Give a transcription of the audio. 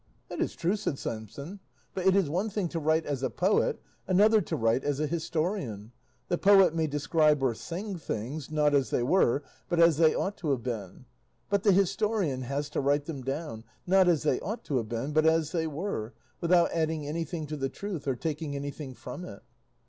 "That is true," said Samson; "but it is one thing to write as a poet, another to write as a historian; the poet may describe or sing things, not as they were, but as they ought to have been; but the historian has to write them down, not as they ought to have been, but as they were, without adding anything to the truth or taking anything from it."